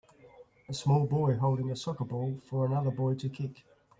A small boy holding a soccer ball for another boy to kick.